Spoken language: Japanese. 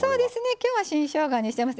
今日は新しょうがにしてます。